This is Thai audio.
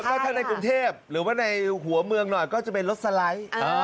ถ้าในกรุงเทพหรือว่าในหัวเมืองหน่อยก็จะเป็นรถสไลด์